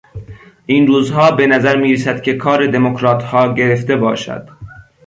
این روزها به نظر میرسد که کار دمکراتها گرفته باشد.